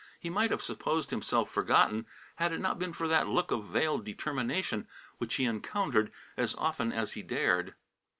He might have supposed himself forgotten had it not been for that look of veiled determination which he encountered as often as he dared.